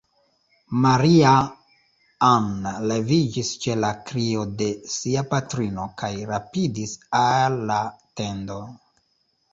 Maria-Ann leviĝis ĉe la krio de sia patrino, kaj rapidis el la tendo.